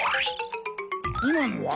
今のは？